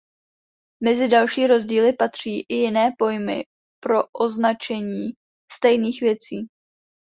Mezi další rozdíly patří i jiné pojmy pro označení stejných věcí.